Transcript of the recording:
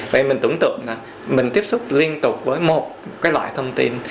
vậy mình tưởng tượng là mình tiếp xúc liên tục với một cái loại thông tin